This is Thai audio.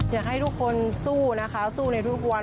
อยากให้ทุกคนสู้นะคะสู้ในทุกวัน